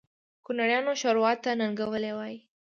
کونړیان ښوروا ته ننګولی وایي